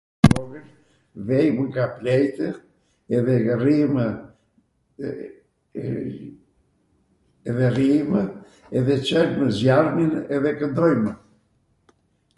Vejmw nga pleqtw edhe rrijmw, edhe rrijmw, edhe Celmw zjarmin edhe kwndojmw